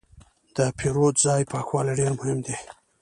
د پیرود ځای پاکوالی ډېر مهم دی.